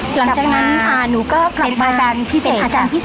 หลังจากนั้นหนูก็กลับมาแฟนพิเศษอาจารย์พิเศษ